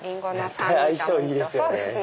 絶対相性いいですよね。